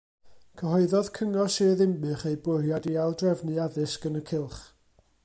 Cyhoeddodd Cyngor Sir Ddinbych eu bwriad i aildrefnu addysg yn y cylch.